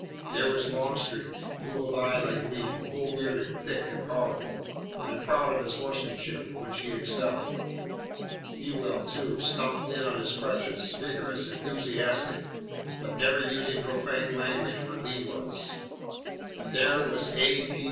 There was Longstreet, blue of eye like Lee, full bearded, thick and powerful, and proud of his horsemanship, in which he excelled. Ewell, too, stumped in on his crutches, vigorous, enthusiastic, but never using profane language where Lee was. And there was A. P.